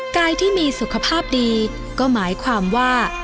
กายที่มีสุขภาพดีก็หมายความว่า